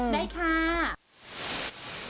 ได้ค่ะ